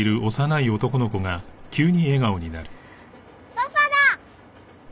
パパだ！